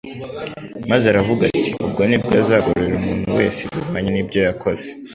Maze aravuga ati:" Ubwo nibwo azagororera umuntu wese ibihwanye n'ibyo yakoze"